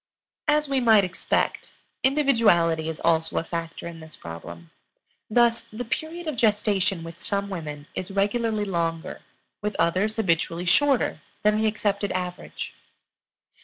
As we might expect, individuality is also a factor in this problem. Thus, the period of gestation with some women is regularly longer, with others habitually shorter than the accepted average.